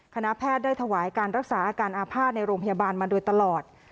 คณะแพทย์ได้ถวายการรักษาอาการอาภาษณ์ในโรงพยาบาลมาโดยตลอด